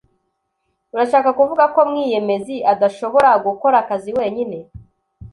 Urashaka kuvuga ko Mwiyemezi adashobora gukora akazi wenyine?